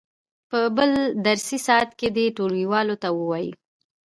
په بل درسي ساعت کې دې ټولګیوالو ته ووایي.